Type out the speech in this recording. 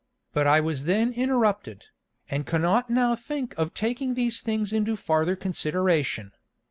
But I was then interrupted, and cannot now think of taking these things into farther Consideration.